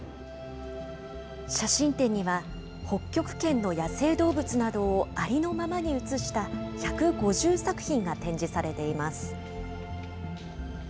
写真展には、北極圏の野生動物などをありのままに写した１５０作品が展示されています。